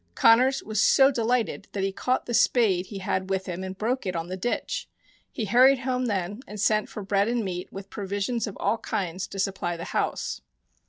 Connors was so delighted that he caught the spade he had with him and broke it on the ditch. He hurried home then and sent for bread and meat, with provisions of all kinds to supply the house.